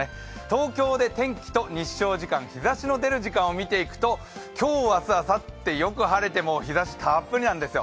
東京で天気と日照時間、日差しの出る時間を見ていくと今日、明日、あさって、よく晴れて日ざしたっぷりなんですよ。